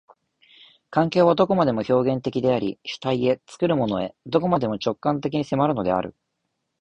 環境はどこまでも表現的であり、主体へ、作るものへ、どこまでも直観的に迫るのである。